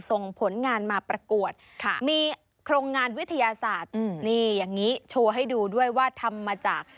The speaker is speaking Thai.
ส่งผลงานมาประกวดค่ะมีโครงงานวิทยาศาสตร์นี่อย่างนี้โชว์ให้ดูด้วยว่าทำมาจาก